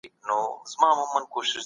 سياست يوه خوځنده ځانګړنه لرله.